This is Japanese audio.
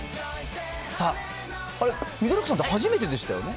さあ、緑子さんって、初めてでしたよね？